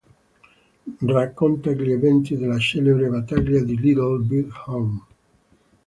Racconta gli eventi della celebre "Battaglia di Little Bighorn".